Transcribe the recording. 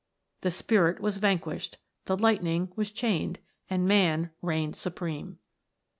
The Spirit was van quished the lightning was chained and man reigned supreme.